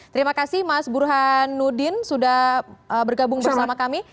terima kasih mas burhanuddin sudah bergabung bersama kami